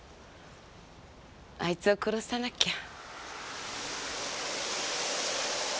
あいつを殺さなきゃ。